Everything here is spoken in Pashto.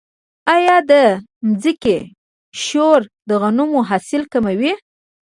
آیا د ځمکې شور د غنمو حاصل کموي؟